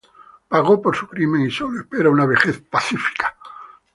Pagó por su crimen y solo espera una vejez pacífica.